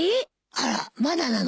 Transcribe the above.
あらまだなの？